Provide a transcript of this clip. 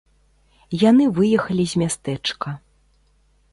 Яны выехалі з мястэчка.